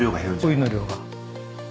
お湯の量が。